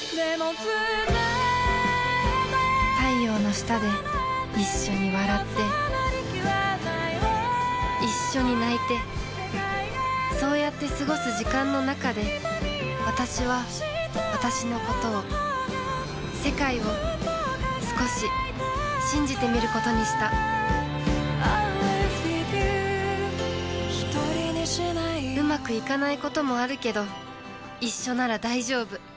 太陽の下で一緒に笑って一緒に泣いてそうやって過ごす時間の中でわたしはわたしのことを世界を少し信じてみることにしたうまくいかないこともあるけど一緒なら大丈夫